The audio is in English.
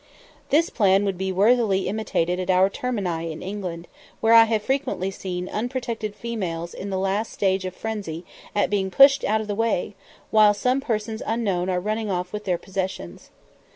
This plan would be worthily imitated at our termini in England, where I have frequently seen "unprotected females" in the last stage of frenzy at being pushed out of the way, while some persons unknown are running off with their possessions.